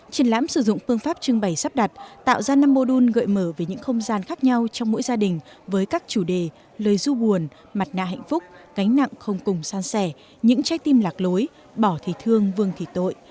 triển lãm sử dụng phương pháp trưng bày sắp đặt tạo ra năm mô đun gợi mở về những không gian khác nhau trong mỗi gia đình với các chủ đề lời ru buồn mặt nạ hạnh phúc cánh nặng không cùng san sẻ những trái tim lạc lối bỏ thì thương vương thì tội